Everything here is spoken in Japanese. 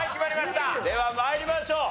では参りましょう。